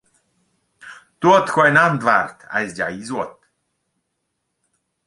Tuot quai nandvart ais già i suot.